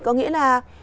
có nghĩa là